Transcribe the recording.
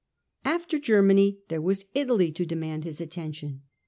After Germany there was Italy to demand his attention.